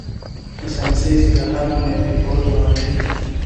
د ساینسي اصطلاحاتو معیاري کول روان دي.